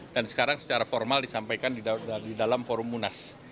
dan sekarang secara formal disampaikan di dalam forum munas